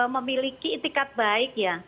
memiliki etikat baik ya